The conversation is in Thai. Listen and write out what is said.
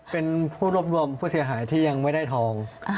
เป็นผู้รวบรวมผู้เสียหายที่ยังไม่ได้ทอง